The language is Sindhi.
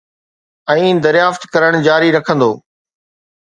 ۽ دريافت ڪرڻ جاري رکندو